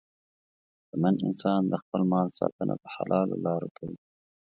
شتمن انسان د خپل مال ساتنه په حلالو لارو کوي.